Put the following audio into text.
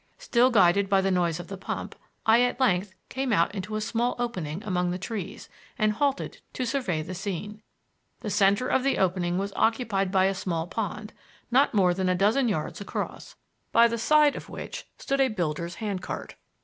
Still guided by the noise of the pump, I at length came out into a small opening among the trees and halted to survey the scene. The center of the opening was occupied by a small pond, not more than a dozen yards across, by the side of which stood a builder's handcart.